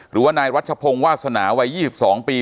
หรือว่านายรัชพงศ์วาสนาวัย๒๒ปี